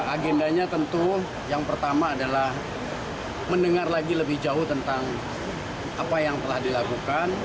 agendanya tentu yang pertama adalah mendengar lagi lebih jauh tentang apa yang telah dilakukan